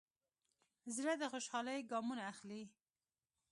زړه د خوشحالۍ ګامونه اخلي.